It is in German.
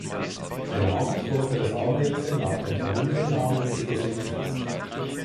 Benannt wurde das Anwesen nach dem Familiennamen des Besitzers.